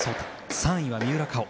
３位は三浦佳生。